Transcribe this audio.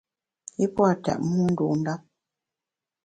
I pua’ tètmu ndun ndap.